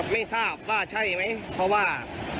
ไม่ทราบว่าใช่ไหมเพราะว่า